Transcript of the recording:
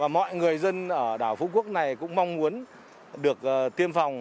mọi người dân ở đảo phú quốc này cũng mong muốn được tiêm phòng